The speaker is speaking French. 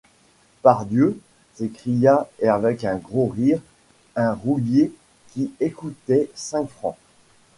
Pardieu! s’écria avec un gros rire un roulier qui écoutait, cinq francs?